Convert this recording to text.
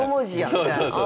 みたいなあ。